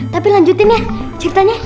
tapi lanjutin ya ceritanya